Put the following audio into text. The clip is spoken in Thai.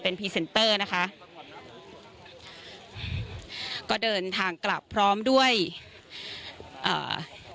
พรีเซนเตอร์นะคะก็เดินทางกลับพร้อมด้วยอ่า